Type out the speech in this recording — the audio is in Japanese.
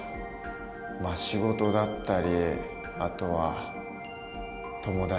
まあ仕事だったりあとは友達先輩